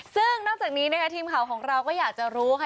ซึ่งนอกจากนี้นะคะทีมข่าวของเราก็อยากจะรู้ค่ะ